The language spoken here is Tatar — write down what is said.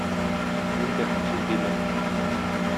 Мин бәхетсез димә